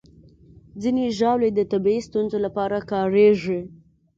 ځینې ژاولې د طبي ستونزو لپاره کارېږي.